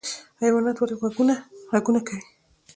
حیوانات ولې غږونه کوي؟